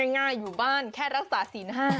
ง่ายอยู่บ้านแค่รักษาศีล๕